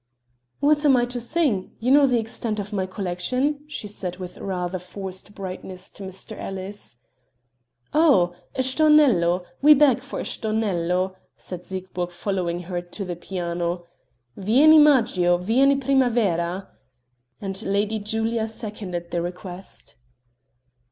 "What am I to sing? You know the extent of my collection," she said with rather forced brightness to Mr. Ellis. "Oh! a Stornello. We beg for a Stornello," said Siegburg following her to the piano "vieni maggio, vieni primavera," and Lady Julia seconded the request.